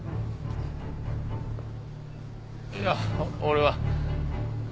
いや俺は。